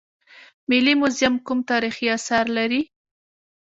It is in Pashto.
ملي موزیم کوم تاریخي اثار لري؟